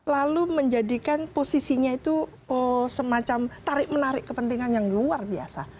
lalu menjadikan posisinya itu semacam tarik menarik kepentingan yang luar biasa